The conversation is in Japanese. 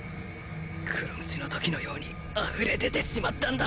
黒鞭の時のように溢れ出てしまったんだ